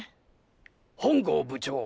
本郷部長。